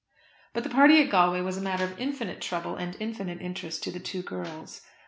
But the party at Galway was a matter of infinite trouble and infinite interest to the two girls.